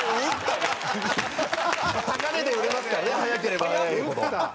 高値で売れますからね早ければ早いほど。